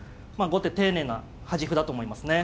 後手丁寧な端歩だと思いますね。